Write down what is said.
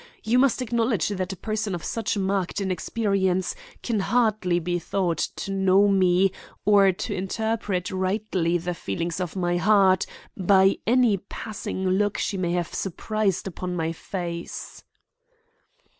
You must acknowledge that a person of such marked inexperience can hardly be thought to know me or to interpret rightly the feelings of my heart by any passing look she may have surprised upon my face."